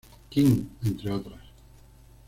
King, entre otras.